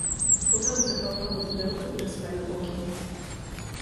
"Potarł zapałkę o pudełko i rozpalił ogień."